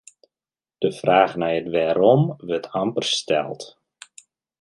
De fraach nei it wêrom wurdt amper steld.